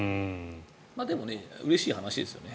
でもうれしい話ですよね。